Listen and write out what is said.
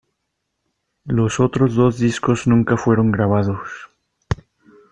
Los otros dos discos nunca fueron grabados.